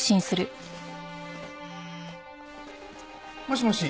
もしもし。